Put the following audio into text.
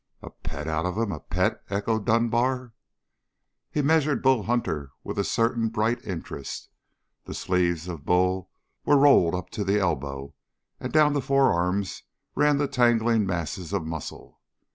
"A pet out of him? A pet?" echoed Dunbar. He measured Bull Hunter with a certain bright interest. The sleeves of Bull were rolled up to the elbows and down the forearms ran the tangling masses of muscle.